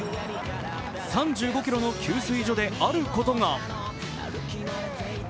３５ｋｍの給水所で、あることが。